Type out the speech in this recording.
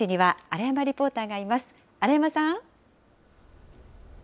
荒山さん。